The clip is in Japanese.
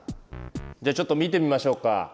じゃあちょっと見てみましょうか。